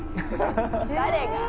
誰が？